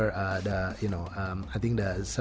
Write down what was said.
kami melaburkan saya pikir